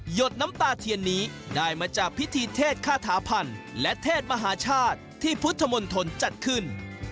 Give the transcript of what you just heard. ดน้ำตาเทียนนี้ได้มาจากพิธีเทศคาถาพันธ์และเทศมหาชาติที่พุทธมนตรจัดขึ้น